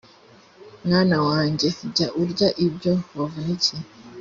mwana wanjye jya urya ibyo wavunikiye